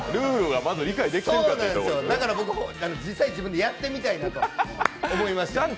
だから、実際自分でやってみたいなと思いまして。